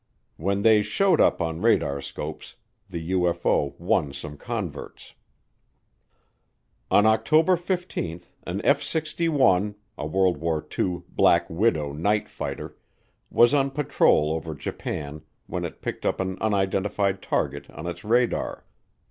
When they showed up on radarscopes, the UFO won some converts. On October 15 an F 61, a World War II "Black Widow" night fighter, was on patrol over Japan when it picked up an unidentified target on its radar.